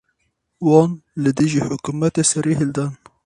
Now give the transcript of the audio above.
Wan li dijî hikûmetê serî hildan.